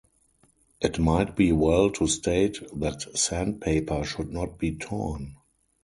It might be well to state that sandpaper should not be torn.